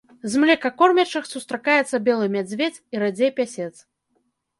З млекакормячых сустракаецца белы мядзведзь і радзей пясец.